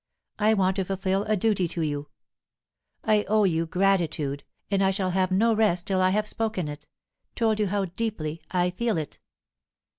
I want to fulfil a duty to you. I owe you gratitude, and I shall have no rest till I have spoken it told you how deeply I feel it."